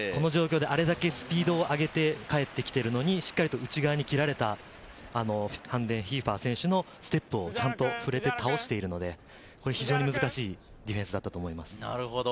あれだけスピードを上げて帰ってきているのにしっかり内側に蹴られたファンデンヒーファー選手のステップを倒しているので、難しいディフェンスだったと思います。